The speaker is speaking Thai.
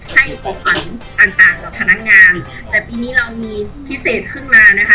ให้ประคัญต่างแล้วพนักงานแต่ปีนี้เรามีพิเศษขึ้นมานะคะ